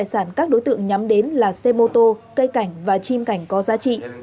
sản các đối tượng nhắm đến là xe mô tô cây cảnh và chim cảnh có giá trị